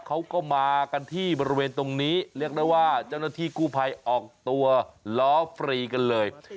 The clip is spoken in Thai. เขาก็มากันที่บริเวณตรงนี้เรียกได้ว่าเจ้าหน้าที่กู้ภัยออกตัวล้อฟรีกันเลย